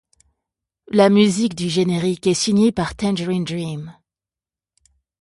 La musique du générique est signée par Tangerine Dream.